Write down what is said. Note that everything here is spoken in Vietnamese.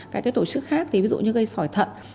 cái tuổi trước khác ví dụ như gây sỏi thận